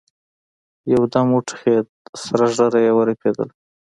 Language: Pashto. يودم وټوخېد سره ږيره يې ورپېدله.